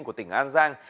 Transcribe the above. của tỉnh an giang